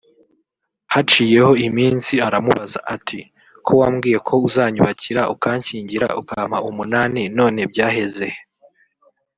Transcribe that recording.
Haciyeho iminsi aramubaza ati “Ko wambwiye ko uzanyubakira ukanshyingira ukampa umunani none byaheze he